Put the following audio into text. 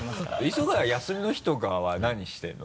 磯貝は休みの日とかは何してるの？